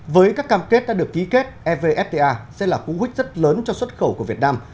với các cam kết đã được ký kết evfta sẽ là cú huyết rất lớn cho xuất khẩu của việt nam